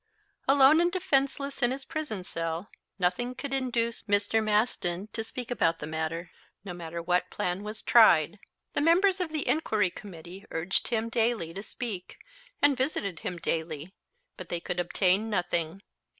Alone and defenseless in his prison cell, nothing could induce Mr. Maston to speak about the matter, no matter what plan was tried. The members of the Inquiry Committee urged him daily to speak, and visited him daily, but they could obtain nothing.